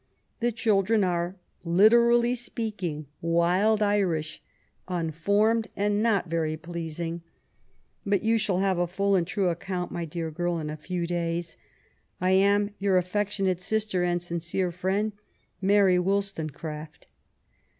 The children are, Hterally speaking, wild Irish, unformed and not very pleasing ; but you shall have a full and true account, my dear girl, in a few days. ... I am your affectionate sister and sincere friend, Mabt Wollstonbcraft.